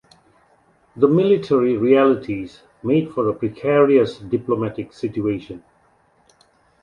The military realities made for a precarious diplomatic situation.